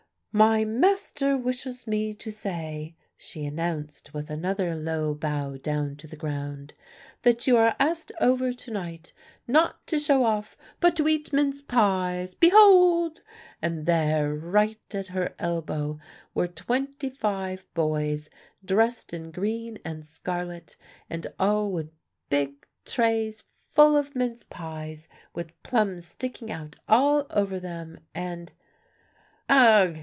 "'My master wishes me to say,' she announced, with another low bow down to the ground, 'that you are asked over to night, not to show off, but to eat mince pies. Behold!' And there right at her elbow were twenty five boys dressed in green and scarlet, and all with big trays full of mince pies, with plums sticking out all over them, and" "Ugh!"